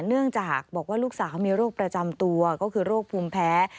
เนื่องจากบอกว่าลูกสาวมีโรคประจำตัวก็คือโรคภูมิแพ้